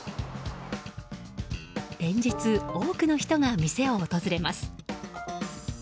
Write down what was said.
連日、多くの人が店を訪れます。